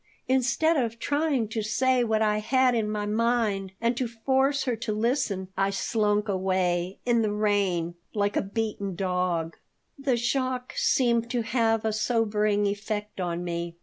Instead of trying to say what I had in my mind and to force her to listen, I slunk away, in the rain, like a beaten dog The shock seemed to have a sobering effect on me.